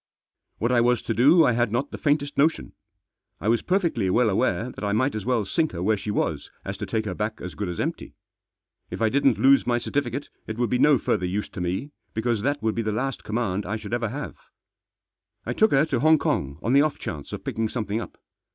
What I was to do I had not the faintest notion. I was perfectly well aware that I might as well sink her where she was as to take her back as good as empty. If I didn't lose my certificate it would be no further use to me, because that would be the last command that I should ever have. I took her to Hong Kong on the off chance of picking something up.